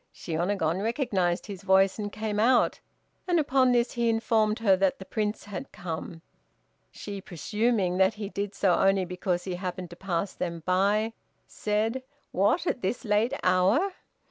Shiônagon recognized his voice and came out, and upon this he informed her that the Prince had come. She, presuming that he did so only because he happened to pass by them, said, "What! at this late hour?"